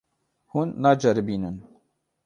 Hûn naceribînin.